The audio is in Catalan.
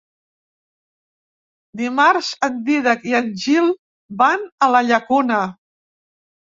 Dimarts en Dídac i en Gil van a la Llacuna.